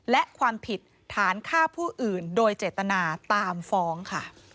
และความผิดฐานฆ่าผู้อื่นโดยเจตนาตามฟ้องค่ะ